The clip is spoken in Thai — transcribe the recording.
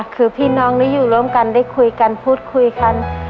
คือพี่น้องได้อยู่ร่วมกันได้คุยกันพูดคุยกัน